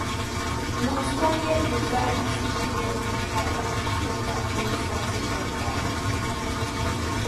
ŋun sɔŋ yɛligi zualinsi ʒilɛli ni daalahichi dolila o ni sɔŋsi shɛm tariga.